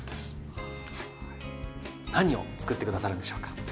はぁ何を作って下さるんでしょうか？